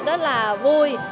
rất là vui